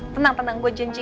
tenang tenang gue janji